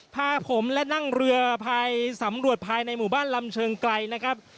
พาผมและนั่งเรือภายสำรวจภายในหมู่บ้านลำเชิงไกลนะครับ